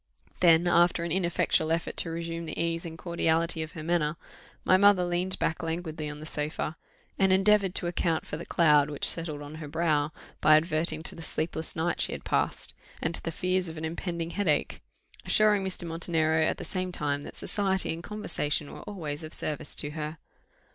Then, after an ineffectual effort to resume the ease and cordiality of her manner, my mother leaned back languidly on the sofa, and endeavoured to account for the cloud which settled on her brow by adverting to the sleepless night she had passed, and to the fears of an impending headache; assuring Mr. Montenero at the same time that society and conversation were always of service to her.